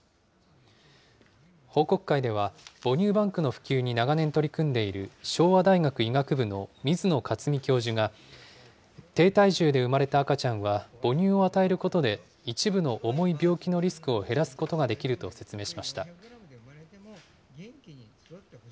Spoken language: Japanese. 報告会では、母乳バンクの普及に長年取り組んでいる、昭和大学医学部の水野克己教授が低体重で産まれた赤ちゃんは、母乳を与えることで、一部の重い病気のリスクを減らすことができると説明しました。